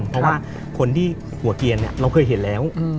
เพราะว่าคนที่หัวเกียรเราเคยเห็นแล้ว